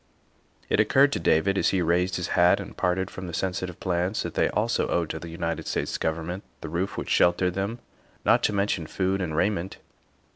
It occurred to David, as he raised his hat and parted from the sensitive plants, that they also owed to the United States Government the roof which sheltered them, not to mention food and raiment.